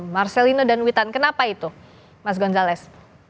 marcelinho dan wittang kenapa itu mas gonzalez